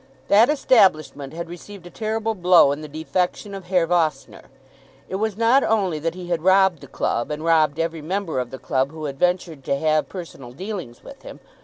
That establishment had received a terrible blow in the defection of Herr Vossner. It was not only that he had robbed the club, and robbed every member of the club who had ventured to have personal dealings with him.